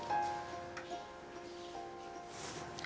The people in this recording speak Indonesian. saya ingin mengucapkan terima kasih